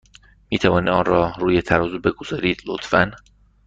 می توانید آن را روی ترازو بگذارید، لطفا؟